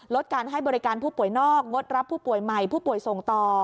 การให้บริการผู้ป่วยนอกงดรับผู้ป่วยใหม่ผู้ป่วยส่งต่อ